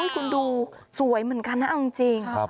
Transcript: คุณดูสวยเหมือนกันนะเอาจริง